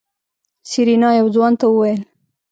سېرېنا يو ځوان ته وويل.